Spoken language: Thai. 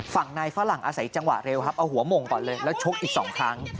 ฝั่งนายฝรั่งอาศัยจังหวะเร็วครับเอาหัวหม่งก่อนเลยแล้วชกอีก๒ครั้ง